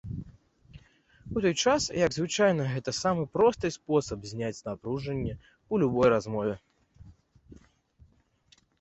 У той час як звычайна гэта самы просты спосаб зняць напружанне ў любой размове.